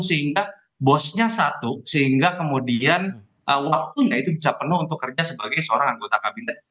sehingga bosnya satu sehingga kemudian waktunya itu bisa penuh untuk kerja sebagai seorang anggota kabinet